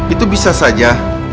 itu bisa saja